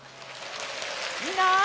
みんな。